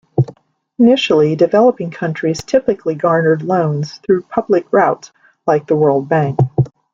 Initially, developing countries typically garnered loans through public routes like the World Bank.